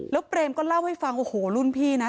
แล้วเปรมก็เล่าให้ฟังโอ้โหรุ่นพี่นะ